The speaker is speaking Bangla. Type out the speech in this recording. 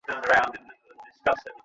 এ ছাড়া যেগুলো আসে, সেগুলো রোগ জানবে।